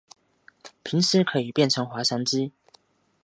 平时可以变成滑翔机。